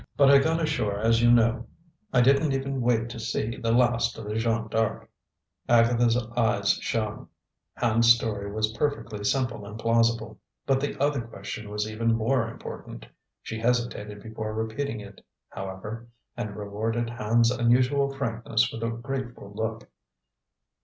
But I got ashore, as you know. I didn't even wait to see the last of the Jeanne D'Arc." Agatha's eyes shone. Hand's story was perfectly simple and plausible. But the other question was even more important. She hesitated before repeating it, however, and rewarded Hand's unusual frankness with a grateful look.